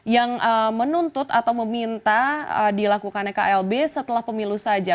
yang menuntut atau meminta dilakukannya klb setelah pemilu saja